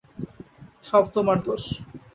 সব তোমার দোষ।